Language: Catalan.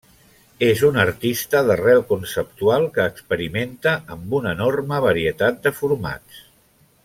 És un artista d'arrel conceptual que experimenta amb una enorme varietat de formats.